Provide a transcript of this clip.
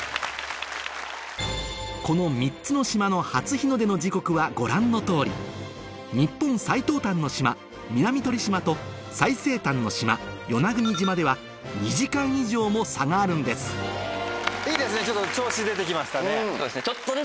この３つの島の初日の出の時刻はご覧の通り日本最東端の島南鳥島と最西端の島与那国島では２時間以上も差があるんですいいですねちょっと。